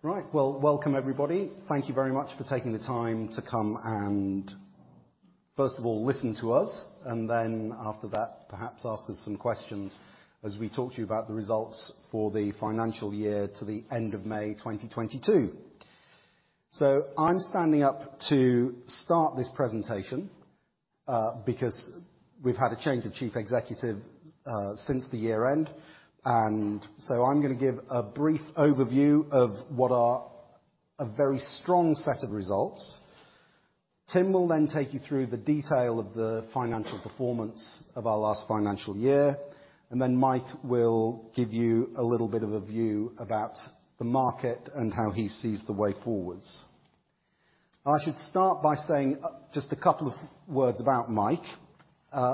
Right. Well, welcome everybody. Thank you very much for taking the time to come and, first of all, listen to us, and then after that, perhaps ask us some questions as we talk to you about the results for the financial year to the end of May 2022. I'm standing up to start this presentation, because we've had a change of chief executive since the year end. I'm gonna give a brief overview of what are a very strong set of results. Tim will then take you through the detail of the financial performance of our last financial year, and then Mike will give you a little bit of a view about the market and how he sees the way forwards. I should start by saying, just a couple of words about Mike.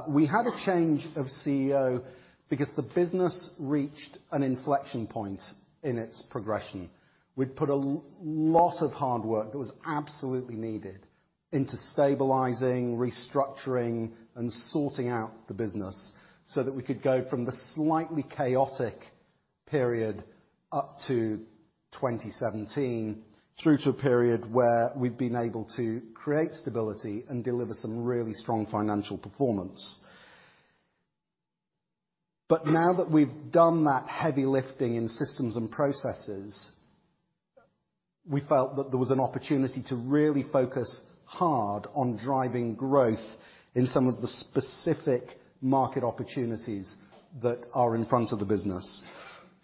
We had a change of CEO because the business reached an inflection point in its progression. We'd put a lot of hard work that was absolutely needed into stabilizing, restructuring, and sorting out the business so that we could go from the slightly chaotic period up to 2017 through to a period where we've been able to create stability and deliver some really strong financial performance. Now that we've done that heavy lifting in systems and processes, we felt that there was an opportunity to really focus hard on driving growth in some of the specific market opportunities that are in front of the business.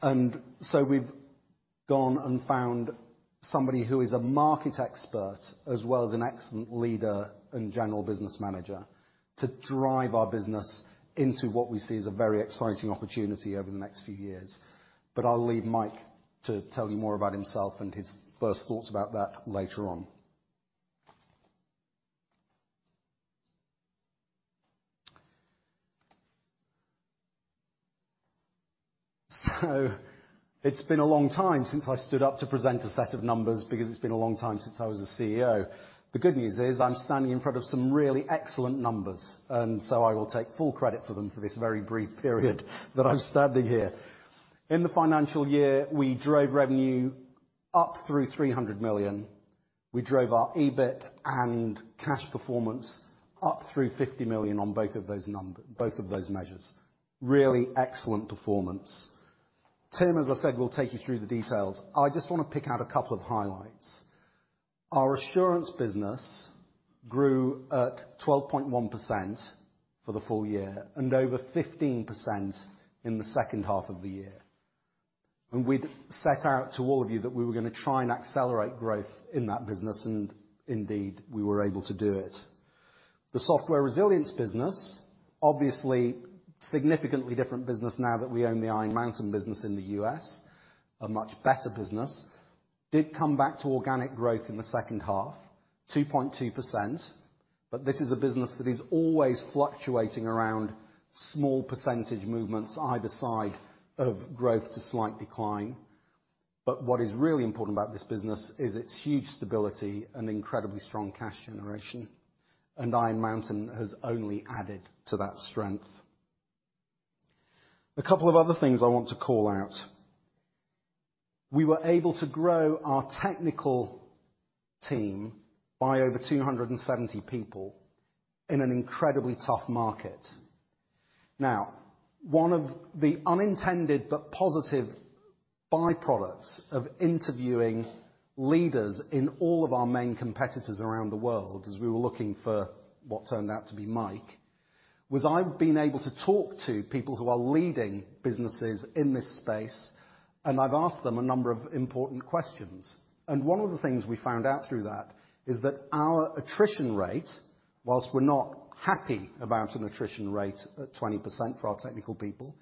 We've gone and found somebody who is a market expert as well as an excellent leader and general business manager to drive our business into what we see as a very exciting opportunity over the next few years. I'll leave Mike to tell you more about himself and his first thoughts about that later on. It's been a long time since I stood up to present a set of numbers because it's been a long time since I was a CEO. The good news is I'm standing in front of some really excellent numbers, and so I will take full credit for them for this very brief period that I'm standing here. In the financial year, we drove revenue up through 300 million. We drove our EBIT and cash performance up through 50 million on both of those measures. Really excellent performance. Tim, as I said, will take you through the details. I just wanna pick out a couple of highlights. Our Assurance business grew at 12.1% for the full year and over 15% in the second half of the year. We'd set out to all of you that we were gonna try and accelerate growth in that business, and indeed, we were able to do it. The Software Resilience business, obviously, significantly different business now that we own the Iron Mountain business in the U.S., a much better business, did come back to organic growth in the second half, 2.2%, but this is a business that is always fluctuating around small percentage movements either side of growth to slight decline. What is really important about this business is its huge stability and incredibly strong cash generation, and Iron Mountain has only added to that strength. A couple of other things I want to call out. We were able to grow our technical team by over 270 people in an incredibly tough market. Now, one of the unintended but positive byproducts of interviewing leaders in all of our main competitors around the world, as we were looking for what turned out to be Mike, was I've been able to talk to people who are leading businesses in this space, and I've asked them a number of important questions. One of the things we found out through that is that our attrition rate, while we're not happy about an attrition rate at 20% for our technical people,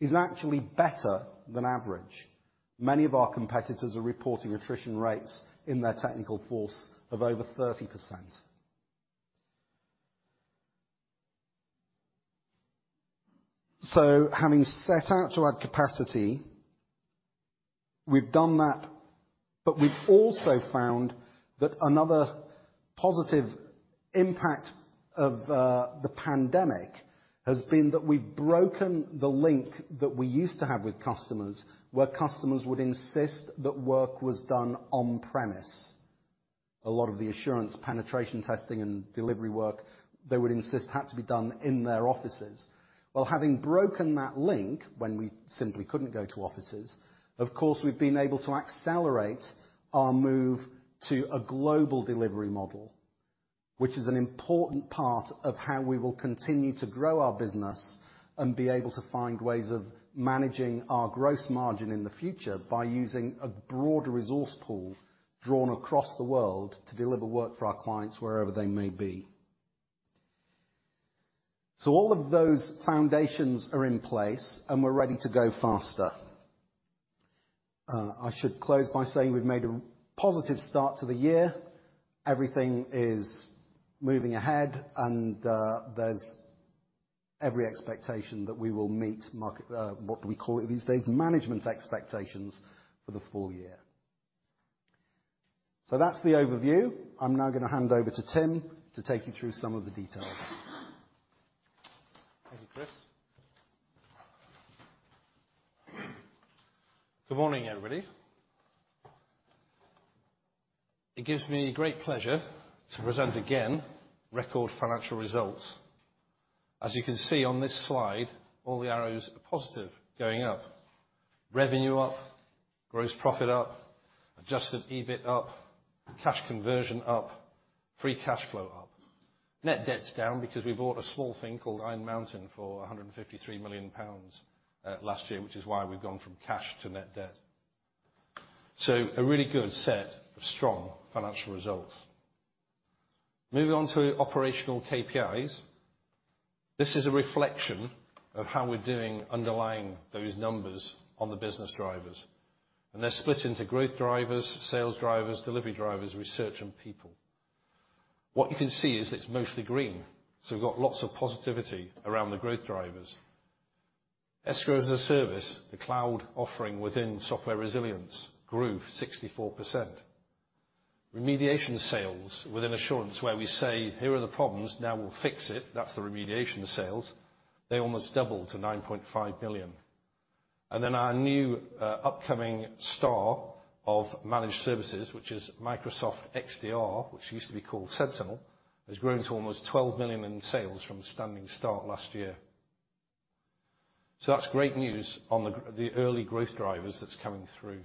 is actually better than average. Many of our competitors are reporting attrition rates in their technical force of over 30%. Having set out to add capacity, we've done that, but we've also found that another positive impact of the pandemic has been that we've broken the link that we used to have with customers, where customers would insist that work was done on premise. A lot of the Assurance penetration testing and delivery work, they would insist had to be done in their offices. Well, having broken that link when we simply couldn't go to offices, of course, we've been able to accelerate our move to a global delivery model, which is an important part of how we will continue to grow our business and be able to find ways of managing our gross margin in the future by using a broader resource pool drawn across the world to deliver work for our clients wherever they may be. All of those foundations are in place, and we're ready to go faster. I should close by saying we've made a positive start to the year. Everything is moving ahead, and there's every expectation that we will meet market, what we call these days, management expectations for the full year. That's the overview. I'm now gonna hand over to Tim to take you through some of the details. Chris? Good morning, everybody. It gives me great pleasure to present again record financial results. As you can see on this slide, all the arrows are positive, going up. Revenue up, gross profit up, adjusted EBIT up, cash conversion up, free cash flow up. Net debt's down because we bought a small thing called Iron Mountain for 153 million pounds last year, which is why we've gone from cash to net debt. A really good set of strong financial results. Moving on to operational KPIs. This is a reflection of how we're doing underlying those numbers on the business drivers. They're split into growth drivers, sales drivers, delivery drivers, research and people. What you can see is it's mostly green, so we've got lots of positivity around the growth drivers. Escrow as a Service, the cloud offering within Software Resilience, grew 64%. Remediation sales within Assurance, where we say, "Here are the problems, now we'll fix it," that's the remediation sales. They almost doubled to 9.5 million. Our new, upcoming star of managed services, which is Microsoft XDR, which used to be called Sentinel, has grown to almost 12 million in sales from a standing start last year. That's great news on the early growth drivers that's coming through.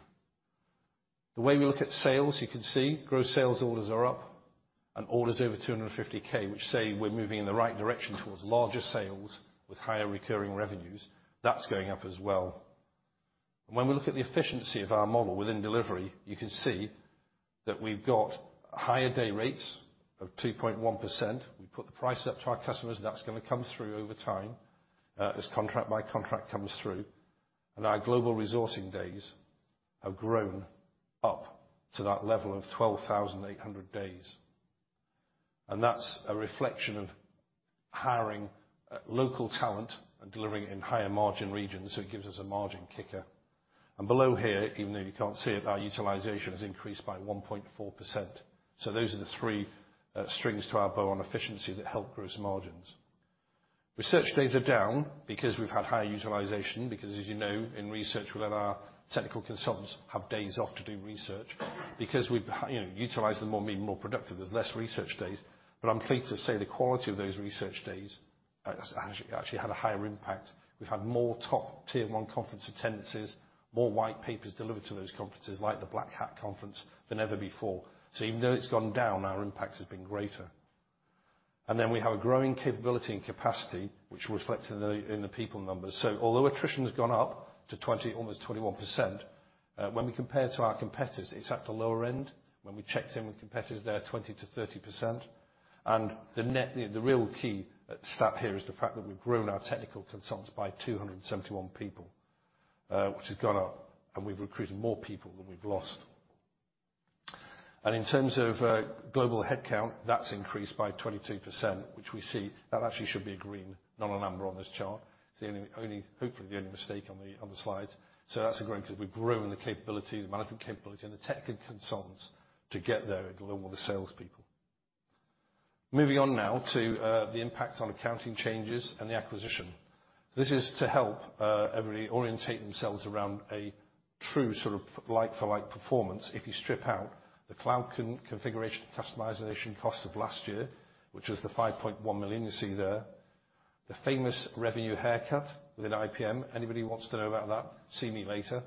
The way we look at sales, you can see gross sales orders are up, and orders over 250K, which say we're moving in the right direction towards larger sales with higher recurring revenues. That's going up as well. When we look at the efficiency of our model within delivery, you can see that we've got higher day rates of 2.1%. We put the price up to our customers. That's gonna come through over time, as contract by contract comes through. Our global resourcing days have grown up to that level of 12,800 days. That's a reflection of hiring local talent and delivering in higher margin regions, so it gives us a margin kicker. Below here, even though you can't see it, our utilization has increased by 1.4%. Those are the three strings to our bow on efficiency that help gross margins. Research days are down because we've had high utilization, because as you know, in research, we let our technical consultants have days off to do research. Because we've, you know, utilized them more, been more productive, there's less research days. I'm pleased to say the quality of those research days has actually had a higher impact. We've had more top tier one conference attendances, more white papers delivered to those conferences, like the Black Hat Conference, than ever before. Even though it's gone down, our impact has been greater. We have a growing capability and capacity, which reflects in the people numbers. Although attrition has gone up to 20, almost 21%, when we compare to our competitors, it's at the lower end. When we checked in with competitors, they're 20%-30%. The real key stat here is the fact that we've grown our technical consultants by 271 people, which has gone up, and we've recruited more people than we've lost. In terms of global headcount, that's increased by 22%, which we see that actually should be a green, not a number on this chart. It's hopefully the only mistake on the slides. That's a growth, 'cause we've grown the capability, the management capability and the technical consultants to get there, along with the salespeople. Moving on now to the impact on accounting changes and the acquisition. This is to help everybody orient themselves around a true sort of like for like performance. If you strip out the cloud configuration customization cost of last year, which was the 5.1 million you see there. The famous revenue haircut within IPM. Anybody who wants to know about that, see me later.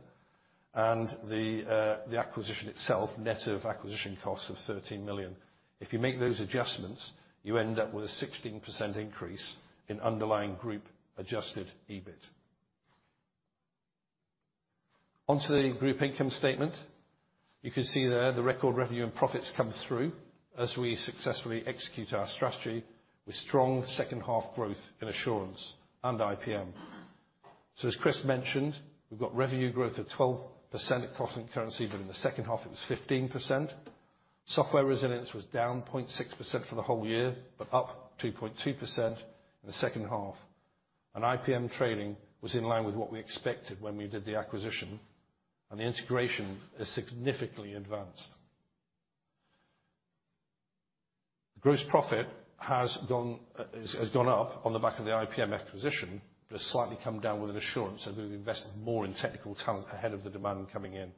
The acquisition itself, net of acquisition costs of 13 million. If you make those adjustments, you end up with a 16% increase in underlying group adjusted EBIT. On to the group income statement. You can see there the record revenue and profits come through as we successfully execute our strategy with strong second half growth in Assurance and IPM. As Chris mentioned, we've got revenue growth of 12% at constant currency, but in the second half it was 15%. Software Resilience was down 0.6% for the whole year, but up 2.2% in the second half. IPM trading was in line with what we expected when we did the acquisition, and the integration is significantly advanced. Gross profit has gone up on the back of the IPM acquisition, but has slightly come down within Assurance as we've invested more in technical talent ahead of the demand coming in.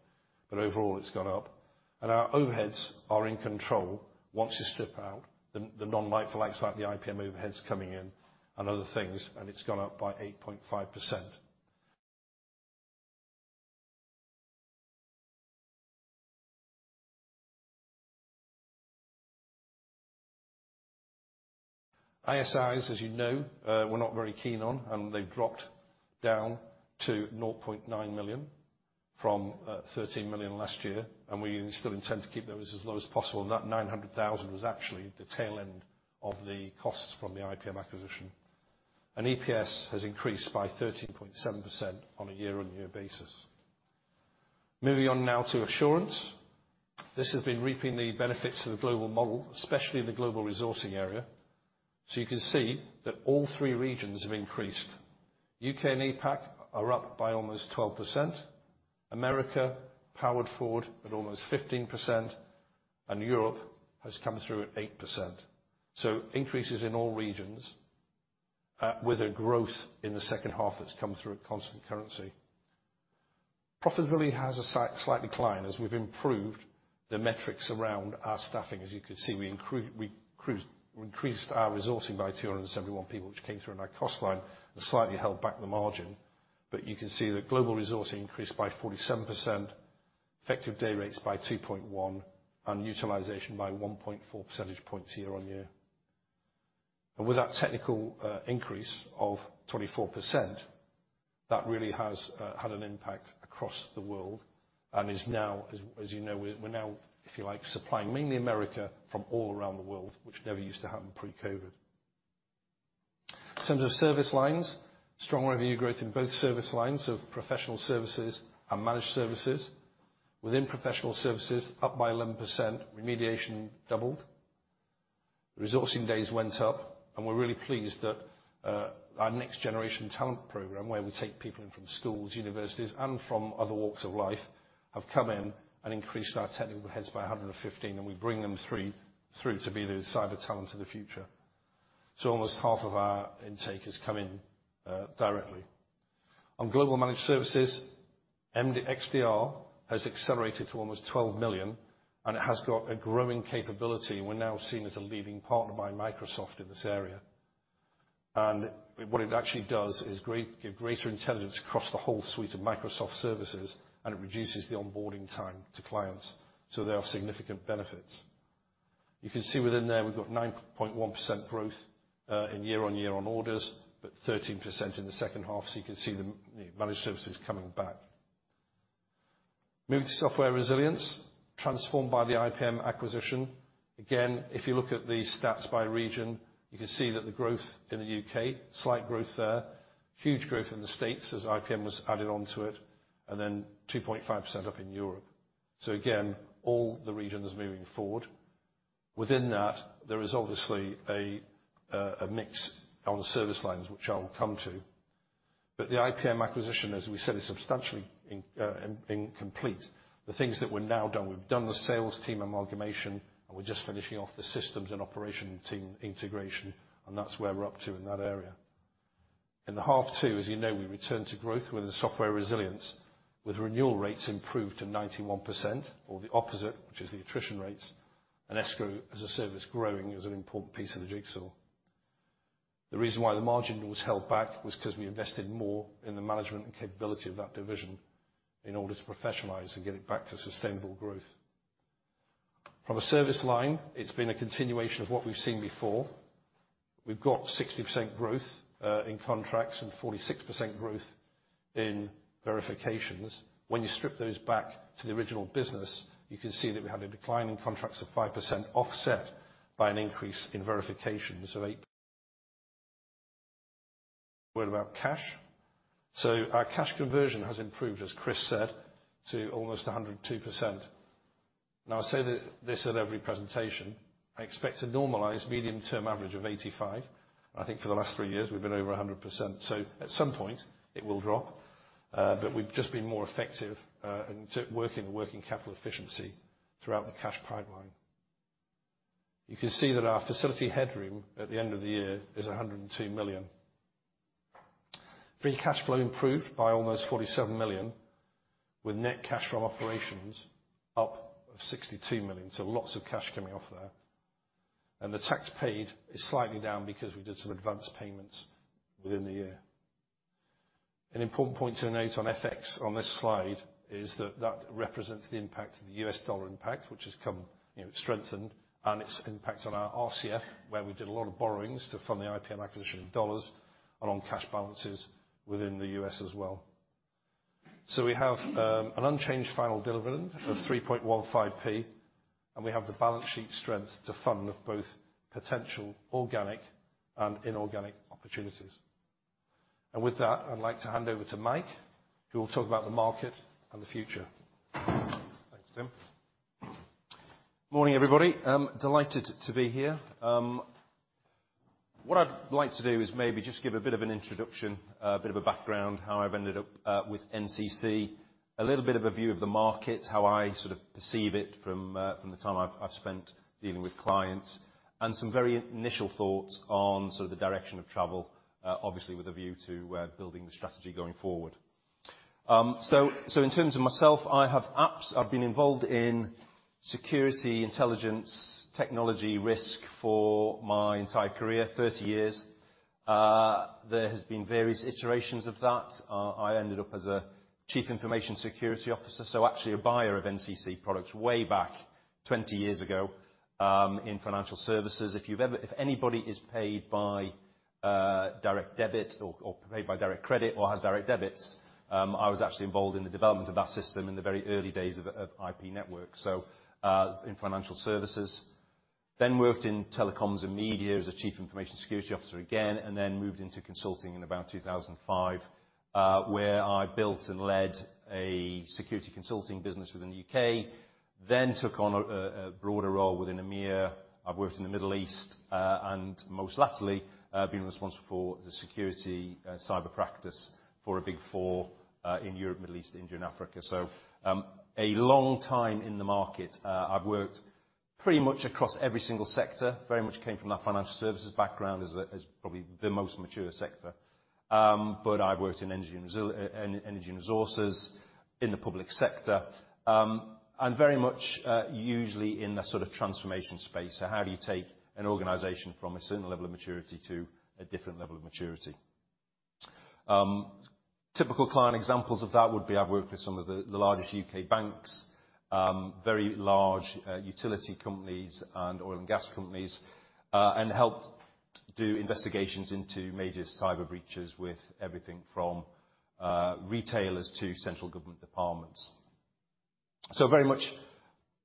Overall, it's gone up. Our overheads are in control, once you strip out the non-like for likes, like the IPM overheads coming in and other things, and it's gone up by 8.5%. ISIs, as you know, we're not very keen on, and they've dropped down to 0.9 million from 13 million last year, and we still intend to keep those as low as possible. That 900,000 was actually the tail end of the costs from the IPM acquisition. EPS has increased by 13.7% on a year-on-year basis. Moving on now to Assurance. This has been reaping the benefits of the global model, especially in the global resourcing area. You can see that all three regions have increased. UK and APAC are up by almost 12%. America powered forward at almost 15%. Europe has come through at 8%. Increases in all regions, with a growth in the second half that's come through at constant currency. Profitability has a slight decline as we've improved the metrics around our staffing. As you can see, we increased our resourcing by 271 people, which came through in our cost line, that slightly held back the margin. You can see that global resourcing increased by 47%, effective day rates by 2.1, and utilization by 1.4 percentage points year-on-year. With that technical increase of 24%, that really has had an impact across the world and is now, as you know, we're now, if you like, supplying mainly America from all around the world, which never used to happen pre-COVID. In terms of service lines, strong revenue growth in both service lines, so professional services and managed services. Within professional services, up by 11%, remediation doubled, resourcing days went up, and we're really pleased that our Next Generation Talent Program, where we take people in from schools, universities, and from other walks of life, have come in and increased our technical heads by 115, and we bring them through to be the cyber talent of the future. Almost half of our intake has come in directly. On global managed services, Managed XDR has accelerated to almost 12 million, and it has got a growing capability. We're now seen as a leading partner by Microsoft in this area. What it actually does gives greater intelligence across the whole suite of Microsoft services, and it reduces the onboarding time to clients. There are significant benefits. You can see within there, we've got 9.1% growth year-on-year on orders, but 13% in the second half, so you can see the managed services coming back. Moving to Software Resilience, transformed by the IPM acquisition. If you look at the stats by region, you can see that the growth in the UK, slight growth there. Huge growth in the States as IPM was added onto it, and then 2.5% up in Europe. Again, all the regions moving forward. Within that, there is obviously a mix on the service lines, which I'll come to. The IPM acquisition, as we said, is substantially incomplete. The things that we've now done, we've done the sales team amalgamation, and we're just finishing off the systems and operation team integration, and that's where we're up to in that area. In H2, as you know, we returned to growth within Software Resilience, with renewal rates improved to 91%, or the opposite, which is the attrition rates, and Escrow as a Service growing as an important piece of the jigsaw. The reason why the margin was held back was because we invested more in the management and capability of that division in order to professionalize and get it back to sustainable growth. From a service line, it's been a continuation of what we've seen before. We've got 60% growth in contracts and 46% growth in verifications. When you strip those back to the original business, you can see that we had a decline in contracts of 5%, offset by an increase in verifications of 8%. A word about cash. Our cash conversion has improved, as Chris said, to almost 102%. Now I say this at every presentation, I expect a normalized medium-term average of 85. I think for the last three years, we've been over 100%. At some point it will drop, but we've just been more effective in working the working capital efficiency throughout the cash pipeline. You can see that our facility headroom at the end of the year is 102 million. Free cash flow improved by almost 47 million, with net cash from operations up by 62 million. Lots of cash coming off there. The tax paid is slightly down because we did some advance payments within the year. An important point to note on FX on this slide is that that represents the impact of the US dollar impact, which has come, you know, strengthened, and its impact on our RCF, where we did a lot of borrowings to fund the IPM acquisition in dollars and on cash balances within the US as well. We have an unchanged final dividend of 3.15p, and we have the balance sheet strength to fund both potential organic and inorganic opportunities. With that, I'd like to hand over to Mike, who will talk about the market and the future. Thanks, Tim. Morning, everybody. I'm delighted to be here. What I'd like to do is maybe just give a bit of an introduction, a bit of a background, how I've ended up with NCC, a little bit of a view of the market, how I sort of perceive it from the time I've spent dealing with clients, and some very initial thoughts on sort of the direction of travel, obviously with a view to building the strategy going forward. In terms of myself, I've been involved in security, intelligence, technology risk for my entire career, 30 years. There has been various iterations of that. I ended up as a Chief Information Security Officer, so actually a buyer of NCC products way back 20 years ago, in financial services. If anybody is paid by direct debit or paid by direct credit or has direct debits, I was actually involved in the development of that system in the very early days of IP network in financial services. Worked in telecoms and media as a chief information security officer again, and then moved into consulting in about 2005, where I built and led a security consulting business within the UK, then took on a broader role within EMEIA. I've worked in the Middle East, and most latterly, I've been responsible for the security cyber practice for a Big Four in Europe, Middle East, India and Africa. A long time in the market. I've worked pretty much across every single sector. Very much came from that financial services background as probably the most mature sector. I've worked in energy and resources, in the public sector, and very much usually in the sort of transformation space. How do you take an organization from a certain level of maturity to a different level of maturity? Typical client examples of that would be I've worked with some of the largest UK banks, very large utility companies and oil and gas companies, and helped do investigations into major cyber breaches with everything from retailers to central government departments. Very much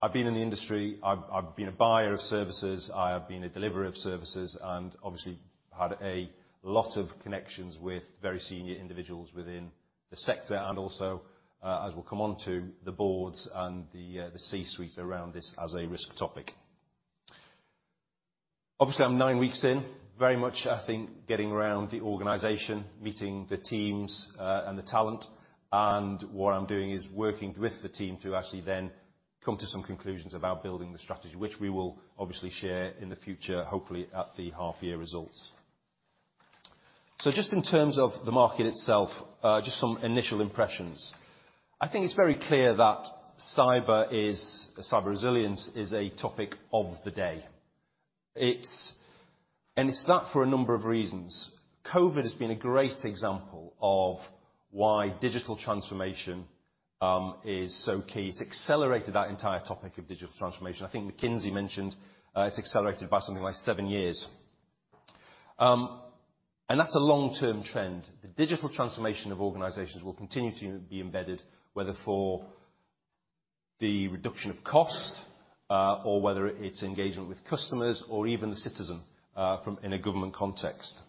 I've been in the industry, I've been a buyer of services, I have been a deliverer of services and obviously had a lot of connections with very senior individuals within the sector and also, as we'll come on to the boards and the C-suites around this as a risk topic. Obviously, I'm 9 weeks in, very much, I think getting around the organization, meeting the teams and the talent, and what I'm doing is working with the team to actually then come to some conclusions about building the strategy, which we will obviously share in the future, hopefully at the half-year results. Just in terms of the market itself, just some initial impressions. I think it's very clear that cyber resilience is a topic of the day. It's and it's that for a number of reasons. COVID has been a great example of why digital transformation is so key. It's accelerated that entire topic of digital transformation. I think McKinsey mentioned it's accelerated by something like seven years. That's a long-term trend. The digital transformation of organizations will continue to be embedded, whether for the reduction of cost or whether it's engagement with customers or even the citizen from in a government context.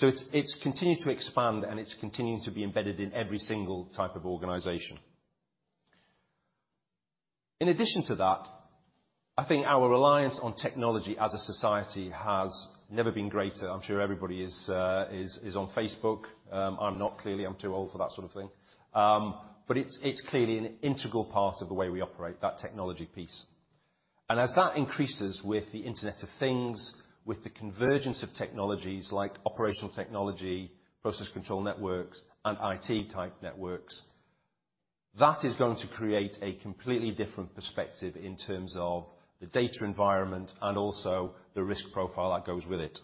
It's continued to expand and it's continuing to be embedded in every single type of organization. In addition to that, I think our reliance on technology as a society has never been greater. I'm sure everybody is on Facebook. I'm not clearly. I'm too old for that sort of thing. It's clearly an integral part of the way we operate that technology piece. As that increases with the Internet of Things, with the convergence of technologies like operational technology, process control networks and IT type networks, that is going to create a completely different perspective in terms of the data environment and also the risk profile that goes with it.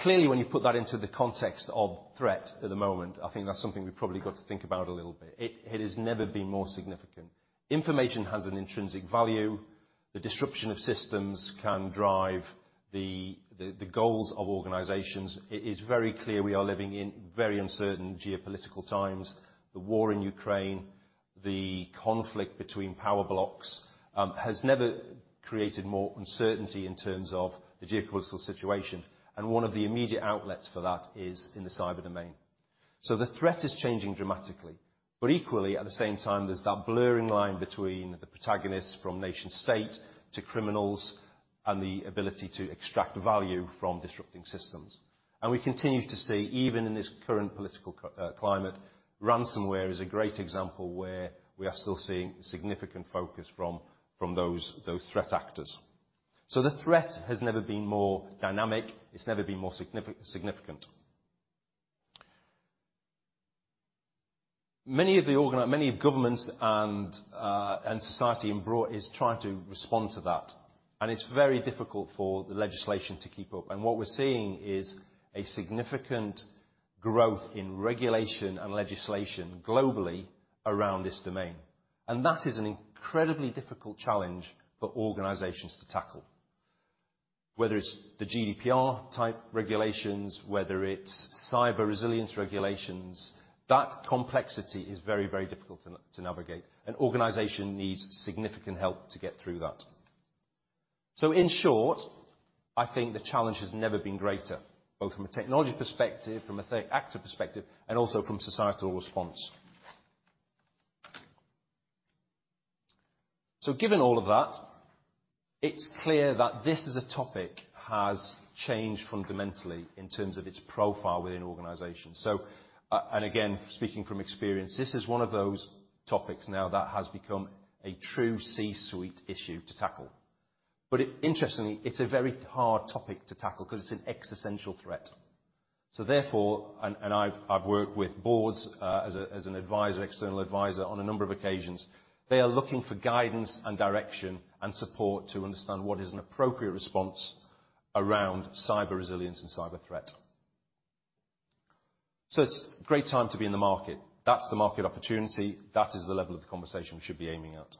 Clearly, when you put that into the context of threat at the moment, I think that's something we've probably got to think about a little bit. It has never been more significant. Information has an intrinsic value. The disruption of systems can drive the goals of organizations. It is very clear we are living in very uncertain geopolitical times. The war in Ukraine, the conflict between power blocks, has never created more uncertainty in terms of the geopolitical situation, and one of the immediate outlets for that is in the cyber domain. The threat is changing dramatically. Equally, at the same time, there's that blurring line between the protagonists from nation state to criminals and the ability to extract value from disrupting systems. We continue to see even in this current political climate, ransomware is a great example where we are still seeing significant focus from those threat actors. The threat has never been more dynamic, it's never been more significant. Many governments and society in broad is trying to respond to that, it's very difficult for the legislation to keep up. What we're seeing is a significant growth in regulation and legislation globally around this domain. That is an incredibly difficult challenge for organizations to tackle. Whether it's the GDPR type regulations, whether it's cyber resilience regulations, that complexity is very, very difficult to navigate, and organization needs significant help to get through that. In short, I think the challenge has never been greater, both from a technology perspective, from a threat actor perspective, and also from societal response. Given all of that, it's clear that this as a topic has changed fundamentally in terms of its profile within organizations. Again, speaking from experience, this is one of those topics now that has become a true C-suite issue to tackle. Interestingly, it's a very hard topic to tackle 'cause it's an existential threat. I've worked with boards as an external advisor on a number of occasions. They are looking for guidance and direction and support to understand what is an appropriate response around cyber resilience and cyber threat. It's great time to be in the market. That's the market opportunity. That is the level of conversation we should be aiming at.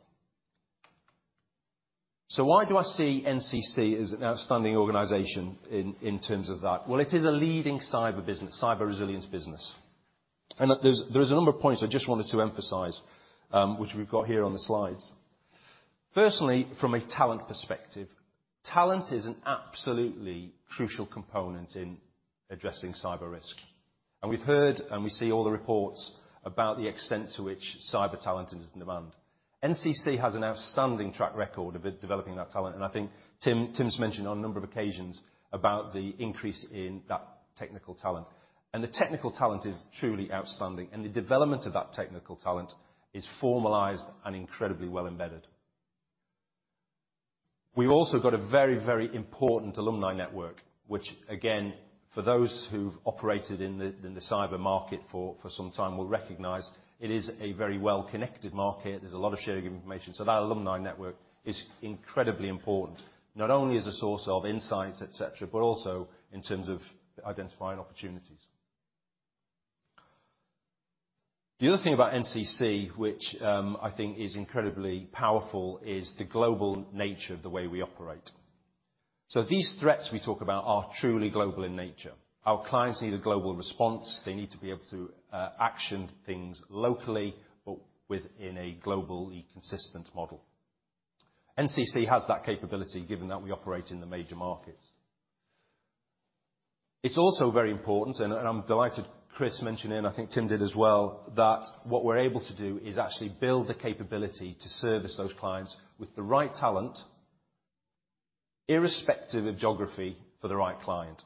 Why do I see NCC as an outstanding organization in terms of that? Well, it is a leading cyber business, cyber resilience business. There's a number of points I just wanted to emphasize, which we've got here on the slides. Firstly, from a talent perspective, talent is an absolutely crucial component in addressing cyber risk. We've heard and we see all the reports about the extent to which cyber talent is in demand. NCC has an outstanding track record of developing that talent, and I think Tim's mentioned on a number of occasions about the increase in that technical talent. The technical talent is truly outstanding, and the development of that technical talent is formalized and incredibly well embedded. We've also got a very, very important alumni network, which again, for those who've operated in the cyber market for some time will recognize it is a very well-connected market. There's a lot of sharing of information. That alumni network is incredibly important, not only as a source of insights, et cetera, but also in terms of identifying opportunities. The other thing about NCC, which I think is incredibly powerful, is the global nature of the way we operate. These threats we talk about are truly global in nature. Our clients need a global response. They need to be able to action things locally, but within a globally consistent model. NCC has that capability given that we operate in the major markets. It's also very important, and I'm delighted Chris mentioned it, and I think Tim did as well, that what we're able to do is actually build the capability to service those clients with the right talent, irrespective of geography, for the right client.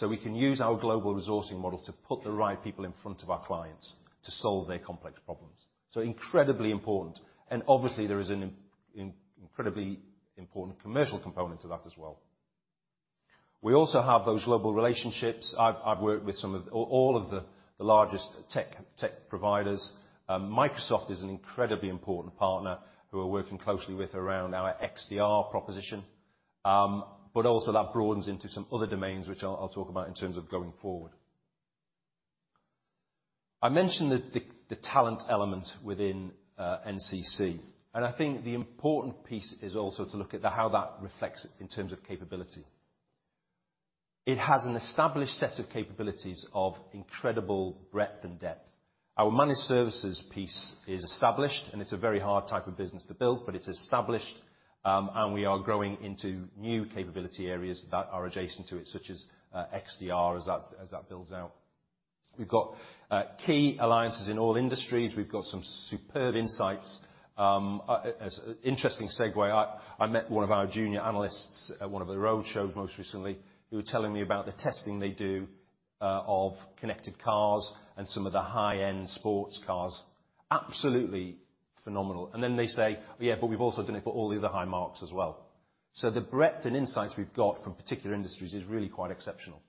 We can use our global resourcing model to put the right people in front of our clients to solve their complex problems. Incredibly important, and obviously there is an incredibly important commercial component to that as well. We also have those global relationships. I've worked with some of all of the largest tech providers. Microsoft is an incredibly important partner who we're working closely with around our XDR proposition. Also that broadens into some other domains which I'll talk about in terms of going forward. I mentioned the talent element within NCC, and I think the important piece is also to look at the how that reflects in terms of capability. It has an established set of capabilities of incredible breadth and depth. Our managed services piece is established, and it's a very hard type of business to build, but it's established, and we are growing into new capability areas that are adjacent to it, such as XDR as that builds out. We've got key alliances in all industries. We've got some superb insights. An interesting segue, I met one of our junior analysts at one of the roadshows most recently who were telling me about the testing they do of connected cars and some of the high-end sports cars. Absolutely phenomenal. Then they say, "Well, yeah, but we've also done it for all the other high marques as well." The breadth and insights we've got from particular industries is really quite exceptional.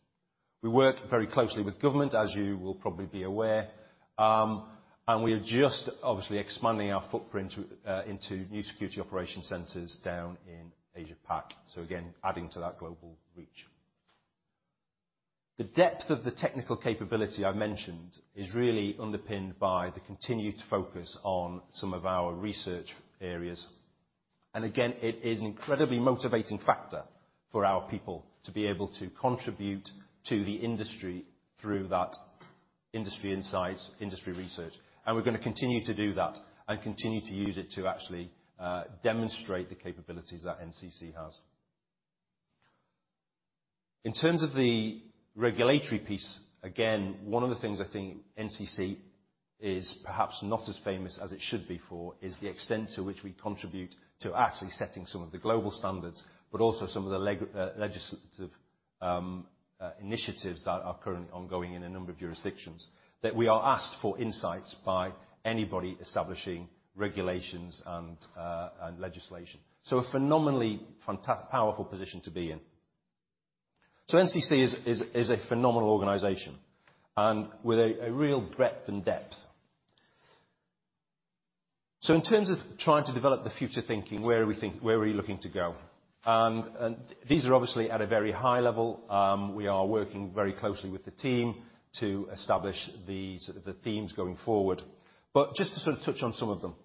We work very closely with government, as you will probably be aware, and we are just obviously expanding our footprint into new security operation centers down in Asia Pac. Again, adding to that global reach. The depth of the technical capability I mentioned is really underpinned by the continued focus on some of our research areas. Again, it is an incredibly motivating factor for our people to be able to contribute to the industry through that industry insights, industry research, and we're gonna continue to do that and continue to use it to actually demonstrate the capabilities that NCC has. In terms of the regulatory piece, again, one of the things I think NCC is perhaps not as famous as it should be for is the extent to which we contribute to actually setting some of the global standards, but also some of the legislative initiatives that are currently ongoing in a number of jurisdictions, that we are asked for insights by anybody establishing regulations and legislation. NCC is a phenomenal organization and with a real breadth and depth. In terms of trying to develop the future thinking, where are we looking to go? These are obviously at a very high level. We are working very closely with the team to establish the sort of the themes going forward, but just to sort of touch on some of them.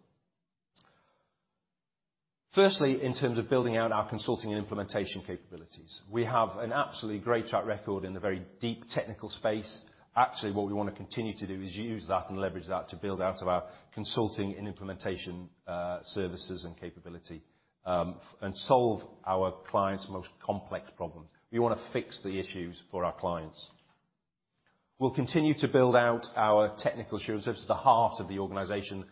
Firstly, in terms of building out our consulting and implementation capabilities, we have an absolutely great track record in the very deep technical space. Actually, what we wanna continue to do is use that and leverage that to build out of our consulting and implementation services and capability, and solve our clients' most complex problems. We wanna fix the issues for our clients. We'll continue to build out our Technical Assurance. It's at the heart of the organization,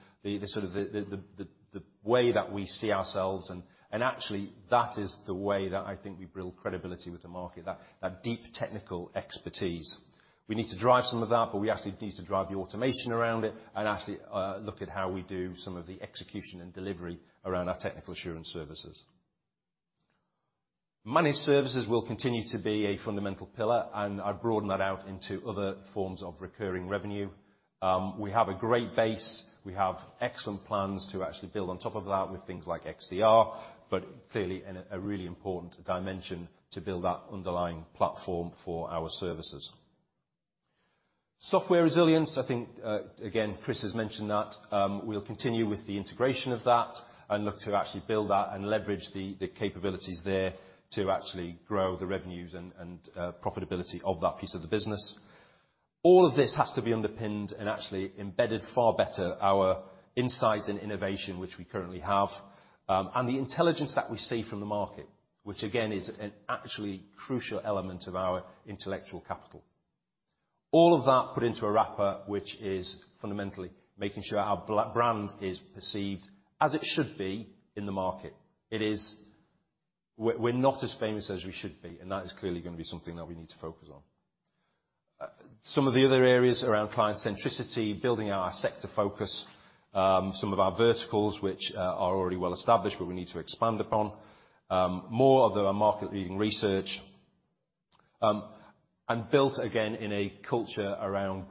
the way that we see ourselves and actually, that is the way that I think we build credibility with the market, that deep technical expertise. We need to drive some of that, but we actually need to drive the automation around it and actually, look at how we do some of the execution and delivery around our technical assurance services. Managed services will continue to be a fundamental pillar, and I've broadened that out into other forms of recurring revenue. We have a great base. We have excellent plans to actually build on top of that with things like XDR, but clearly a really important dimension to build that underlying platform for our services. Software Resilience, I think, again, Chris has mentioned that, we'll continue with the integration of that and look to actually build that and leverage the capabilities there to actually grow the revenues and profitability of that piece of the business. All of this has to be underpinned and actually embedded far better our insights and innovation, which we currently have, and the intelligence that we see from the market, which again, is an actually crucial element of our intellectual capital. All of that put into a wrapper, which is fundamentally making sure our brand is perceived as it should be in the market. It is. We're not as famous as we should be, and that is clearly gonna be something that we need to focus on. Some of the other areas around client centricity, building our sector focus, some of our verticals which are already well established but we need to expand upon. More of our market leading research. And built again in a culture around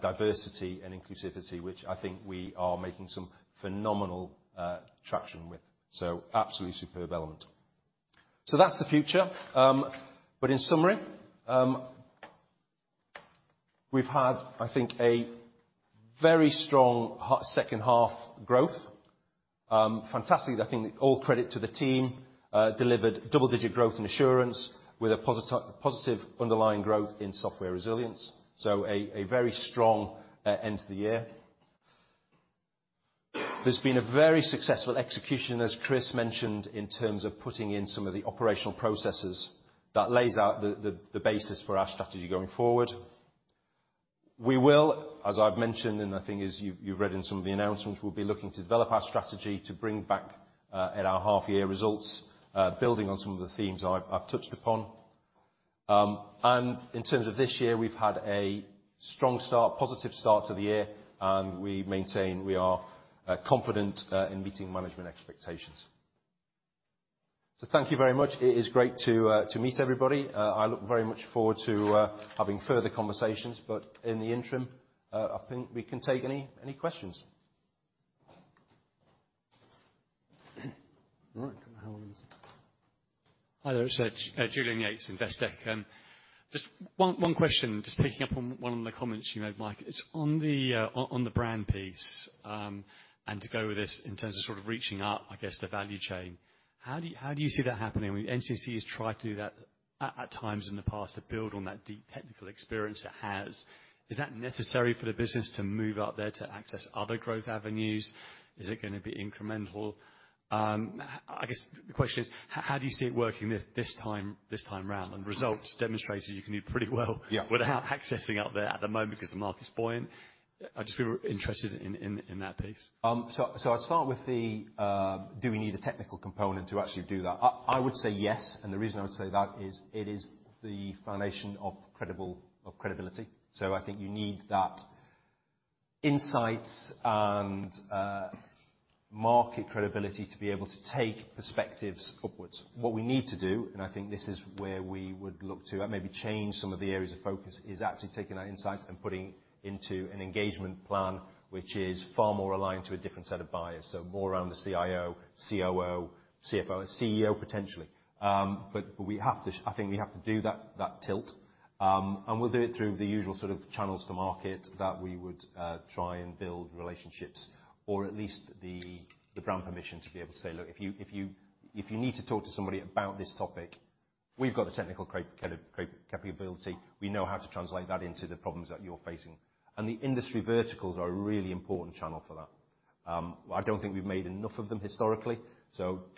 diversity and inclusivity, which I think we are making some phenomenal traction with. Absolutely superb element. That's the future. But in summary, we've had, I think, a very strong second half growth. Fantastic. I think all credit to the team, delivered double-digit growth in Assurance with a positive underlying growth in Software Resilience. So a very strong end to the year. There's been a very successful execution, as Chris mentioned, in terms of putting in some of the operational processes that lays out the basis for our strategy going forward. We will, as I've mentioned, and the thing is you've read in some of the announcements, we'll be looking to develop our strategy to bring back at our half year results, building on some of the themes I've touched upon. In terms of this year, we've had a strong start, positive start to the year, and we maintain we are confident in meeting management expectations. Thank you very much. It is great to meet everybody. I look very much forward to having further conversations. In the interim, I think we can take any questions. Right. Hi there. It's Julian Yates, Investec. Just one question. Just picking up on one of the comments you made, Mike. It's on the brand piece, and to go with this in terms of sort of reaching up, I guess, the value chain, how do you see that happening? I mean, NCC has tried to do that at times in the past to build on that deep technical experience it has. Is that necessary for the business to move up there to access other growth avenues? Is it gonna be incremental? I guess the question is, how do you see it working this time around? Results demonstrated you can do pretty well. Yeah. Without accessing up there at the moment because the market's buoyant. I'd just be interested in that piece. I'd start with the, do we need a technical component to actually do that? I would say yes, and the reason I would say that is it is the foundation of credible, of credibility. I think you need that insight and market credibility to be able to take perspectives upwards. What we need to do, and I think this is where we would look to and maybe change some of the areas of focus, is actually taking our insights and putting into an engagement plan which is far more aligned to a different set of buyers. More around the CIO, COO, CFO, CEO, potentially. We have to, I think we have to do that tilt. We'll do it through the usual sort of channels to market that we would try and build relationships or at least the brand permission to be able to say, "Look, if you need to talk to somebody about this topic, we've got the technical capability. We know how to translate that into the problems that you're facing." The industry verticals are a really important channel for that. I don't think we've made enough of them historically.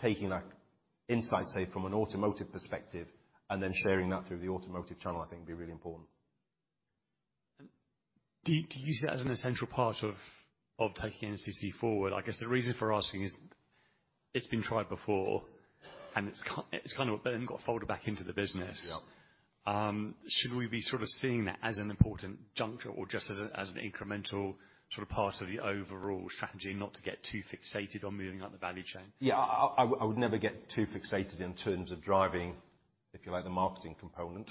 Taking that insight, say from an automotive perspective and then sharing that through the automotive channel I think would be really important. Do you see that as an essential part of taking NCC forward? I guess the reason for asking is it's been tried before, and it's kind of been folded back into the business. Yeah. Should we be sort of seeing that as an important juncture or just as an incremental sort of part of the overall strategy not to get too fixated on moving up the value chain? Yeah. I would never get too fixated in terms of driving, if you like, the marketing component.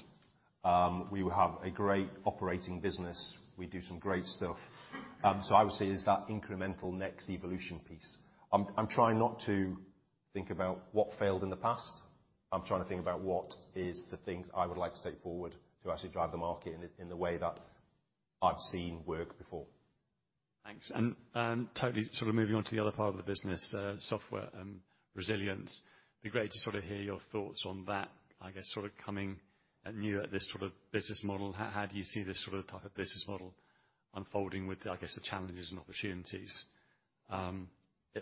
We have a great operating business. We do some great stuff. I would say it's that incremental next evolution piece. I'm trying not to think about what failed in the past. I'm trying to think about what is the things I would like to take forward to actually drive the market in the way that I've seen work before. Thanks. Totally sort of moving on to the other part of the business, Software Resilience. Be great to sort of hear your thoughts on that. I guess sort of coming anew at this sort of business model, how do you see this sort of type of business model unfolding with, I guess, the challenges and opportunities it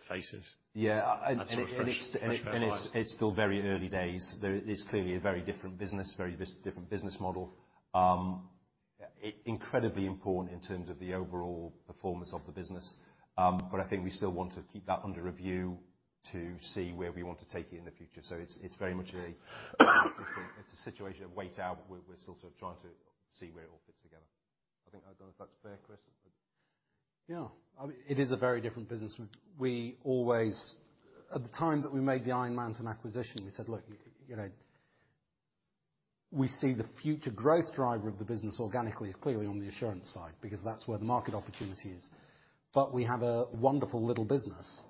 faces? Yeah. As sort of fresh pair of eyes. It's still very early days. There is clearly a very different business model. Incredibly important in terms of the overall performance of the business. I think we still want to keep that under review to see where we want to take it in the future. It's very much a situation of wait and see. We're still sort of trying to see where it all fits together. I think I don't know if that's fair, Chris. Yeah. I mean, it is a very different business. At the time that we made the Iron Mountain acquisition, we said, "Look, you know, we see the future growth driver of the business organically is clearly on the Assurance side because that's where the market opportunity is." We have a wonderful little business,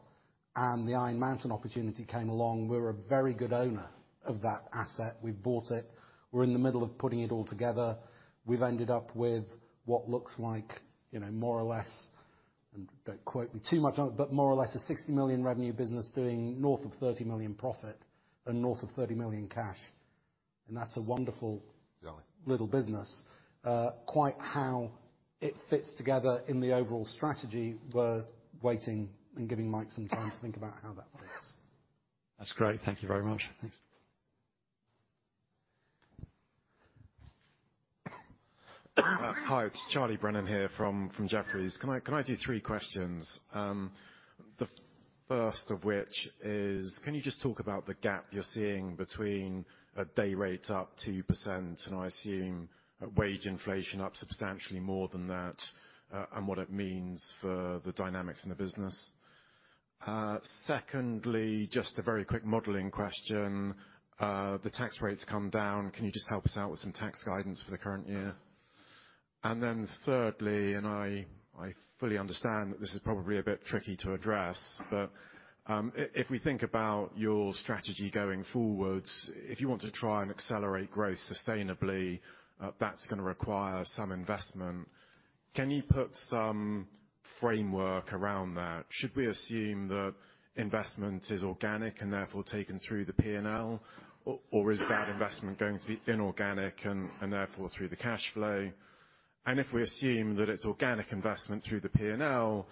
and the Iron Mountain opportunity came along. We're a very good owner of that asset. We've bought it. We're in the middle of putting it all together. We've ended up with what looks like, you know, more or less, don't quote me too much on it, but more or less a 60 million revenue business doing north of 30 million profit and north of 30 million cash. That's a wonderful Lovely Little business. Quite how it fits together in the overall strategy, we're waiting and giving Mike some time to think about how that fits. That's great. Thank you very much. Thanks. Hi, it's Charles Brennan here from Jefferies. Can I do three questions? First of which is, can you just talk about the gap you're seeing between day rates up 2%, and I assume wage inflation up substantially more than that, and what it means for the dynamics in the business? Secondly, just a very quick modeling question. The tax rate's come down. Can you just help us out with some tax guidance for the current year? Thirdly, I fully understand that this is probably a bit tricky to address, but if we think about your strategy going forwards, if you want to try and accelerate growth sustainably, that's gonna require some investment. Can you put some framework around that? Should we assume that investment is organic and therefore taken through the P&L or is that investment going to be inorganic and therefore through the cash flow? If we assume that it's organic investment through the P&L,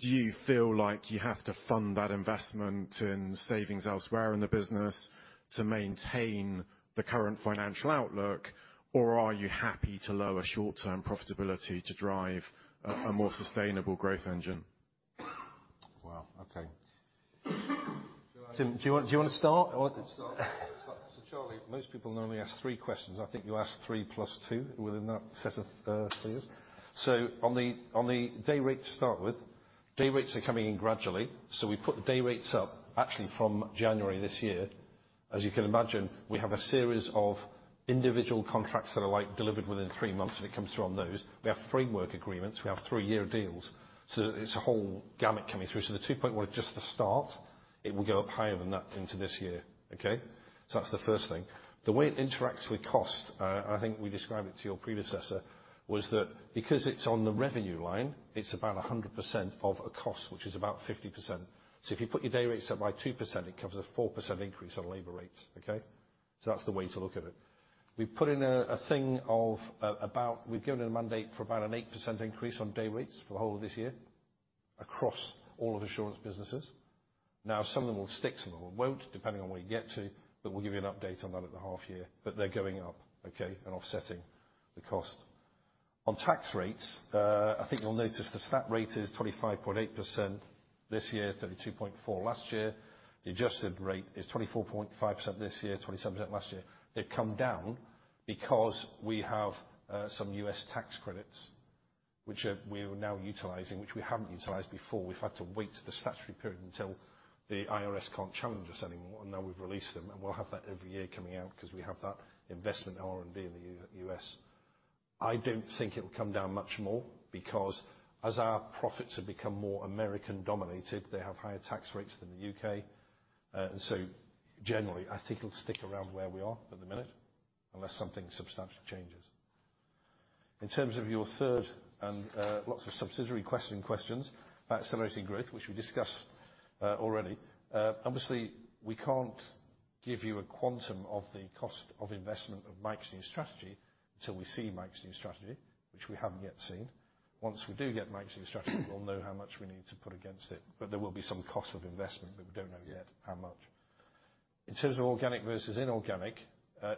do you feel like you have to fund that investment in savings elsewhere in the business to maintain the current financial outlook, or are you happy to lower short-term profitability to drive a more sustainable growth engine? Wow, okay. Tim, do you wanna start? Or I'll start. Charlie, most people normally ask 3 questions. I think you asked 3 plus 2 within that set of queries. On the day rate to start with, day rates are coming in gradually, so we put the day rates up actually from January this year. As you can imagine, we have a series of individual contracts that are like delivered within 3 months, and it comes through on those. We have framework agreements. We have 3-year deals. It's a whole gamut coming through. The 2.1 is just the start. It will go up higher than that into this year, okay? That's the first thing. The way it interacts with cost, I think we described it to your predecessor, was that because it's on the revenue line, it's about 100% of a cost, which is about 50%. If you put your day rates up by 2%, it covers a 4% increase on labor rates, okay? That's the way to look at it. We've given a mandate for about an 8% increase on day rates for the whole of this year across all of Assurance businesses. Now, some of them will stick, some of them won't, depending on where you get to, but we'll give you an update on that at the half year. They're going up, okay? Offsetting the cost. On tax rates, I think you'll notice the stat rate is 25.8% this year, 32.4% last year. The adjusted rate is 24.5% this year, 27% last year. They've come down because we have some US tax credits, which we are now utilizing, which we haven't utilized before. We've had to wait the statutory period until the IRS can't challenge us anymore, and now we've released them. We'll have that every year coming out 'cause we have that investment in R&D in the U.S. I don't think it will come down much more because as our profits have become more American dominated, they have higher tax rates than the U.K. Generally, I think it'll stick around where we are at the minute, unless something substantial changes. In terms of your third and lots of subsidiary questions about accelerating growth, which we discussed already. Obviously, we can't give you a quantum of the cost of investment of Mike's new strategy till we see Mike's new strategy, which we haven't yet seen. Once we do get Mike's new strategy, we'll know how much we need to put against it. There will be some cost of investment, but we don't know yet how much. In terms of organic versus inorganic,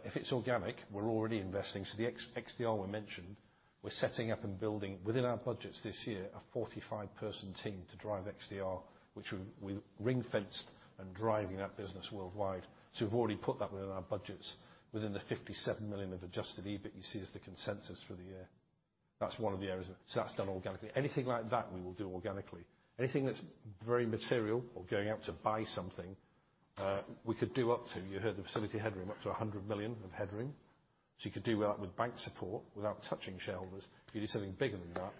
if it's organic, we're already investing. The XDR we mentioned, we're setting up and building within our budgets this year, a 45-person team to drive XDR, which we ring-fenced and driving that business worldwide. We've already put that within our budgets within the 57 million of adjusted EBIT you see as the consensus for the year. That's one of the areas. That's done organically. Anything like that, we will do organically. Anything that's very material or going out to buy something, we could do up to, you heard the facility headroom, up to 100 million of headroom. You could do that with bank support without touching shareholders. If you do something bigger than that,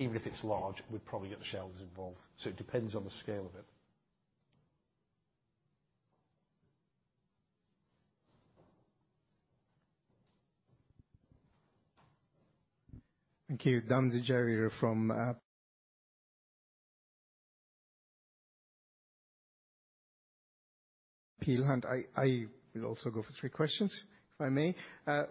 even if it's large, we'd probably get the shareholders involved. It depends on the scale of it. Thank you. Damindu Jayaweera from Peel Hunt. I will also go for three questions, if I may.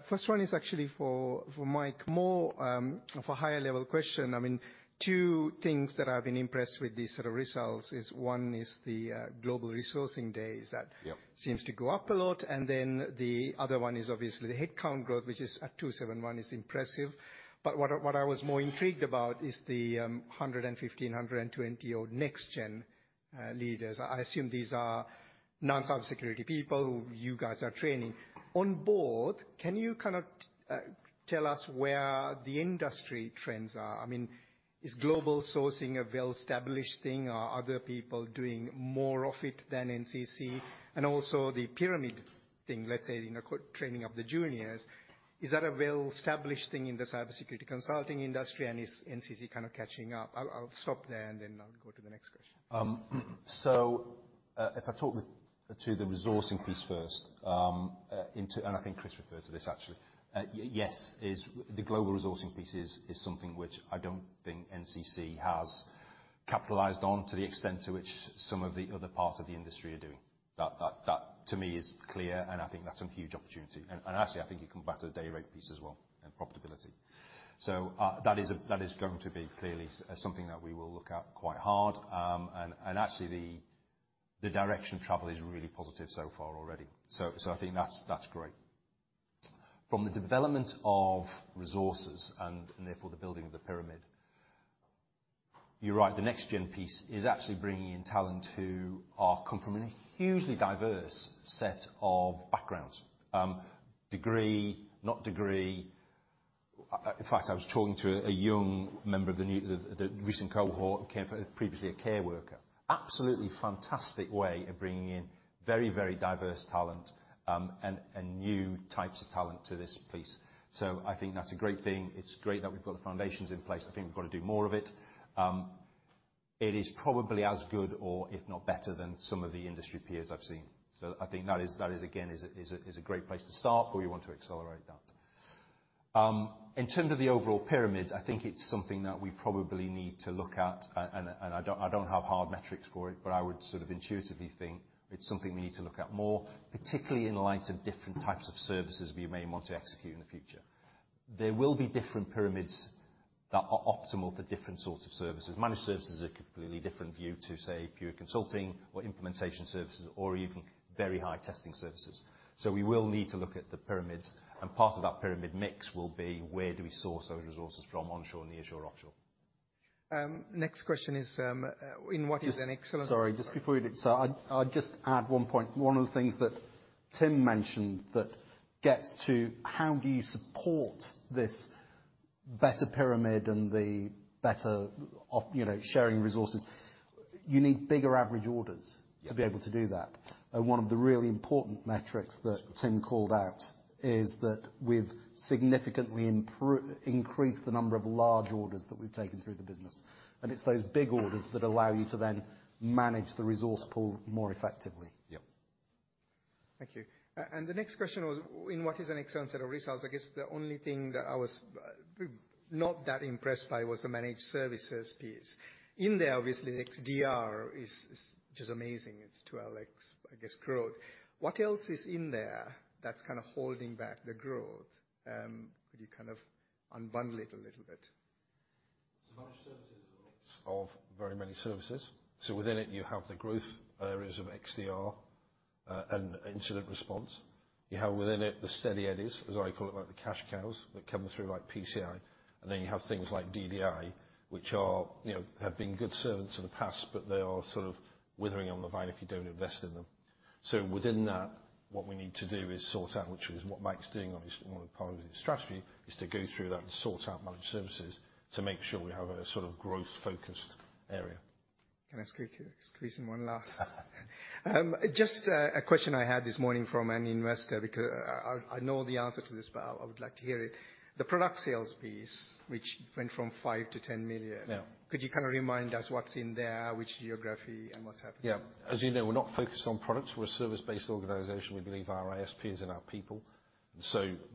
First one is actually for Mike. More of a higher level question. I mean, two things that I've been impressed with these sort of results is one is the global resourcing days that Yep. Seems to go up a lot. Then the other one is obviously the headcount growth, which is at 271 is impressive. What I was more intrigued about is the 115, 120-odd next gen leaders. I assume these are non-cybersecurity people who you guys are training. On board, can you kind of tell us where the industry trends are? I mean, is global sourcing a well-established thing? Are other people doing more of it than NCC? Also the pyramid thing, let's say in the training of the juniors, is that a well-established thing in the cybersecurity consulting industry, and is NCC kind of catching up? I'll stop there and then I'll go to the next question. If I talk to the resourcing piece first, I think Chris referred to this actually. Yes, the global resourcing piece is something which I don't think NCC has capitalized on to the extent to which some of the other parts of the industry are doing. That to me is clear, and I think that's a huge opportunity. Actually, I think it comes back to the day rate piece as well and profitability. That is going to be clearly something that we will look at quite hard. Actually the direction of travel is really positive so far already. I think that's great. From the development of resources and therefore the building of the pyramid, you're right. The next gen piece is actually bringing in talent who are coming from a hugely diverse set of backgrounds. Degree, not degree. In fact, I was talking to a young member of the recent cohort who came from previously a care worker. Absolutely fantastic way of bringing in very, very diverse talent, and new types of talent to this piece. I think that's a great thing. It's great that we've got the foundations in place. I think we've got to do more of it. It is probably as good or if not better than some of the industry peers I've seen. I think that is again a great place to start, but we want to accelerate that. In terms of the overall pyramids, I think it's something that we probably need to look at and I don't have hard metrics for it, but I would sort of intuitively think it's something we need to look at more, particularly in light of different types of services we may want to execute in the future. There will be different pyramids that are optimal for different sorts of services. Managed services are completely different view to, say, pure consulting or implementation services or even very high testing services. We will need to look at the pyramids, and part of that pyramid mix will be where do we source those resources from onshore, near shore, offshore. Next question is, in what is an excellent- Sorry, just before you do. I'd just add one point. One of the things that Tim mentioned that gets to how do you support this better pyramid and the better, you know, sharing resources. You need bigger average orders. Yeah To be able to do that. One of the really important metrics that Tim called out is that we've significantly increased the number of large orders that we've taken through the business, and it's those big orders that allow you to then manage the resource pool more effectively. Yep. Thank you. The next question was, given what is an excellent set of results, I guess the only thing that I was not that impressed by was the managed services piece. In there, obviously, XDR is just amazing. It's two-thirds of our, I guess, growth. What else is in there that's kind of holding back the growth? Could you kind of unbundle it a little bit? Managed services is a mix of very many services, so within it you have the growth areas of XDR and incident response. You have within it the steady Eddies, as I call it, like the cash cows that come through like PCI. Then you have things like DDI, which are, you know, have been good servants in the past, but they are sort of withering on the vine if you don't invest in them. Within that, what we need to do is sort out, which is what Mike's doing, obviously, one of the priorities of the strategy is to go through that and sort out managed services to make sure we have a sort of growth-focused area. Can I squeeze in one last? Just, a question I had this morning from an investor, because I know the answer to this, but I would like to hear it. The product sales piece, which went from 5 million to 10 million. Yeah. Could you kind of remind us what's in there, which geography and what's happening? Yeah. As you know, we're not focused on products. We're a service-based organization. We believe in our ISPs and our people.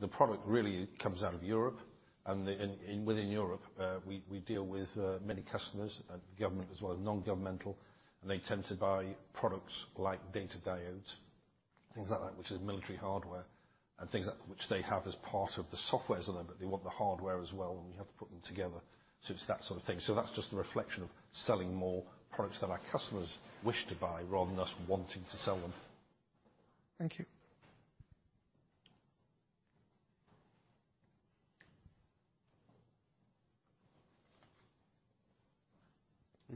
The product really comes out of Europe and within Europe, we deal with many customers, government as well as non-governmental, and they tend to buy products like data diodes, things like that, which is military hardware and things like that. They have them as part of the software then, but they want the hardware as well, and we have to put them together. That's just a reflection of selling more products that our customers wish to buy rather than us wanting to sell them. Thank you.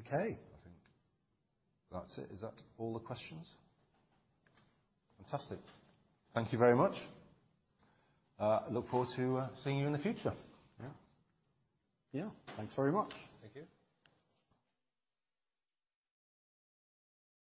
Okay. I think that's it. Is that all the questions? Fantastic. Thank you very much. Look forward to seeing you in the future. Yeah. Yeah. Thanks very much. Thank you.